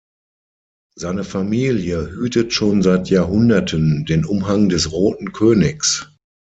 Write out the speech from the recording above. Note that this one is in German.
Seine Familie hütet schon seit Jahrhunderten den Umhang des Roten Königs.